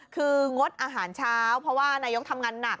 คืองดอาหารเช้าเพราะว่านายกทำงานหนัก